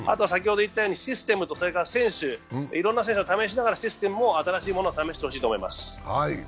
システムと選手、いろんな選手を試しながらシステムも新しいものを試してほしいと思います。